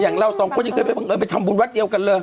อย่างเราสองคนยังเคยไปบังเอิญไปทำบุญวัดเดียวกันเลย